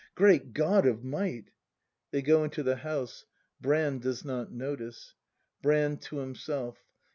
— Great God of Might! [They go into the house; Brand does not notice. Brand. [To himself.